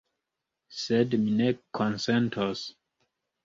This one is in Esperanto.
Sed mi ne konsentos.